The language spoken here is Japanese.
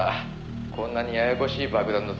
こんなにややこしい爆弾の作り方